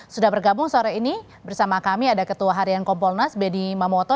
sudah bergabung sore ini bersama kami ada ketua harian kompolnas bedy mamoto